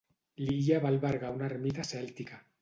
L'illa va albergar una ermita cèltica.